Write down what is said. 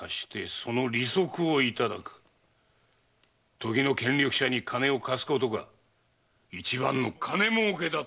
時の権力者に金を貸すことが一番の金儲けだと知っておるか？